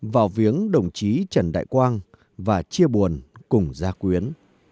vào viếng đồng chí trần đại quang và chia buồn cùng gia quyến